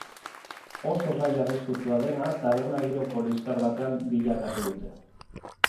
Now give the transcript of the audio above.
Oso gai arriskutsua dena taberna giroko liskar batean bilakatu dute.